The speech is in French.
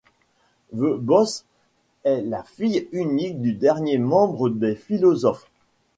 The Boss est la fille unique du dernier membre des Philosophes.